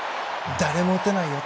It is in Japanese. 誰も打てないよ。